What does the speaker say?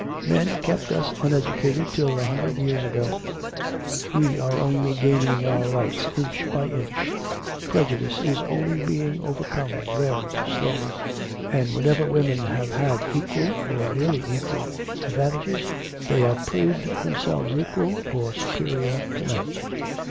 'Men kept us uneducated till a hundred years ago; we are only gaining our rights inch by inch, prejudice is only being overcome very slowly, and whenever women have had equal, or nearly equal, advantages they have proved themselves equal or superior to men.